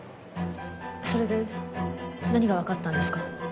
それで何がわかったんですか？